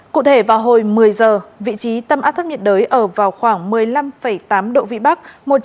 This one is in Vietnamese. cụ thể vào hồi một mươi giờ vị trí tâm áp thấp nhiệt đới ở vào khoảng một mươi năm tám độ vĩ bắc